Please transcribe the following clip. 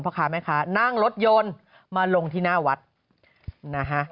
พ่อค้าแม่ค้านั่งรถยนต์มาลงที่หน้าวัดนะฮะ